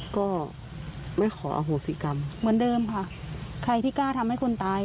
ก็ไม่ขออโหสิกรรมเหมือนเดิมค่ะใครที่กล้าทำให้คนตาย